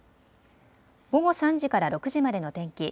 午後３時から６時までの天気。